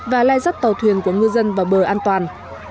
và lai dắt tàu thuyền của ngư dân vào bờ an toàn